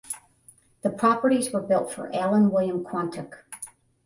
The properties were built for Allen William Quantock.